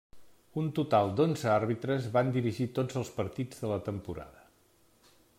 Un total d'onze àrbitres van dirigir tots els partits de la temporada.